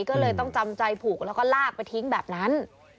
ก็เลยต้องจำใจผูกแล้วก็ลากไปทิ้งแบบนั้น